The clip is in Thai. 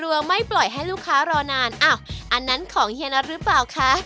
ไม่ปล่อยให้ลูกค้ารอนานอ้าวอันนั้นของเฮียน็อตหรือเปล่าคะ